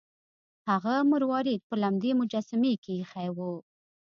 هغه مروارید په لمدې مجسمې کې ایښی و.